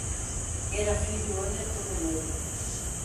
Era fillo e neto de médicos.